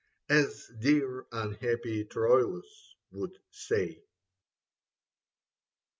(As dear unhappy Troilus would say)."